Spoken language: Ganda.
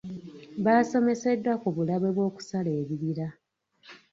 Baasomeseddwa ku bulabe bw'okusala ebibira.